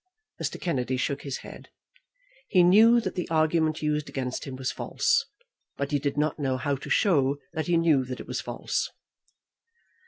Mr. Kennedy shook his head. He knew that the argument used against him was false, but he did not know how to show that he knew that it was false.